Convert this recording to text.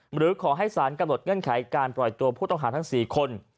หรือขอให้สารกำหนดเงื่อนไขการปล่อยตัวผู้ต้องหาทั้ง๔คน